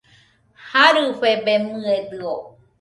Jarɨfebemɨedɨo